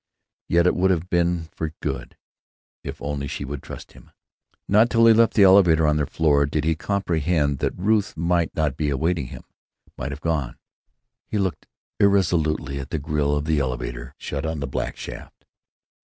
Yet it would have been for good, if only she would trust him. Not till he left the elevator, on their floor, did he comprehend that Ruth might not be awaiting him; might have gone. He looked irresolutely at the grill of the elevator door, shut on the black shaft.